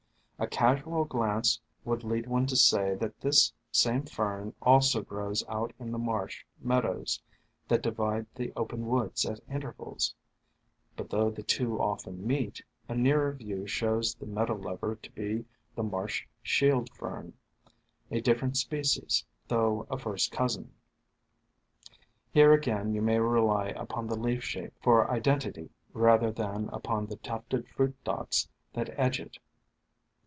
A casual glance would lead one to say that this same Fern also grows out in the marsh meadows that divide the open woods at intervals ; but though the two often meet, a nearer view shows the meadow lover to be the Marsh Shield Fern, a different species, though a first cousin. Here 200 THE FANTASIES OF FERNS again you may rely upon the leaf shape for iden tity rather than upon the tufted fruit dots that edge it.